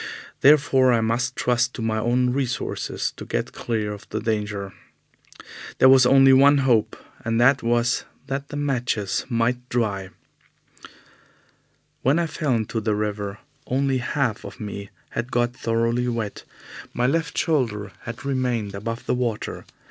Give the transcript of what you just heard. Therefore I must trust to my own resources to get clear of the danger. There was only one hope, and that was that the matches might dry. When I fell into the river, only half of me had got thoroughly wet. My left shoulder had remained above the water.